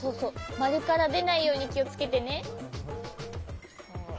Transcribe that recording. まるからでないようにきをつけてね。